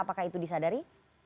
apakah itu disadari